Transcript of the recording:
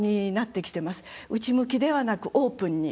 内向きではなくオープンに。